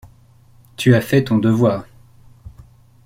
Tu as fait ton devoir. ..